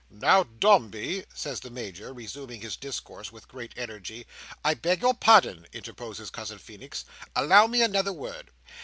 "Now, Dombey!—" says the Major, resuming his discourse with great energy. "I beg your pardon," interposes Cousin Feenix. "Allow me another word.